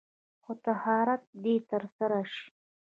خو طهارت دې تر سره شي.